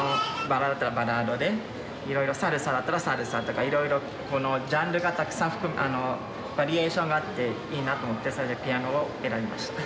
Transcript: バラードはバラードでいろいろサルサだったらサルサとかいろいろこのジャンルがたくさんバリエーションがあっていいなと思ってそれでピアノを選びました。